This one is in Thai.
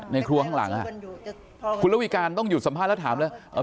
ในครัวข้างหลังอ่ะคุณระวิการต้องหยุดสัมภาษณ์แล้วถามเลย